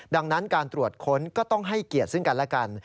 ดังนั้นการตรวจค้นก็ต้องให้เกียรติซึ่งกันและกัน